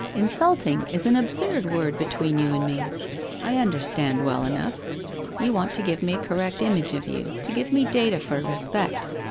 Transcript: Insulting is an absurd word be tween you and me. I understand well enough. You want to give me a correct image of you, to give me data for respect.